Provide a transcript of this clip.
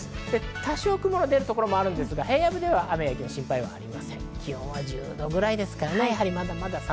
多少雲の出るところもありますが、平野部では雨や雪の心配はありま